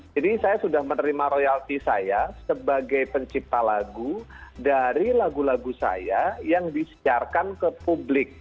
jadi saya sudah menerima royalti saya sebagai pencipta lagu dari lagu lagu saya yang disiarkan ke publik